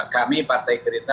kami partai gerindra